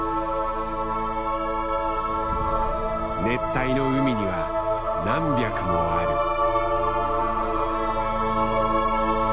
熱帯の海には何百もある。